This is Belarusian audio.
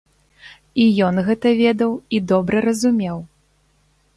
І ён гэта ведаў і добра разумеў.